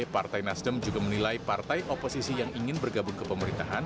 partai nasdem juga menilai partai oposisi yang ingin bergabung ke pemerintahan